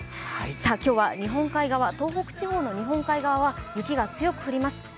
今日は日本海側、東北地方の日本海側は雪が強く降ります。